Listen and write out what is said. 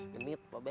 genit pak bek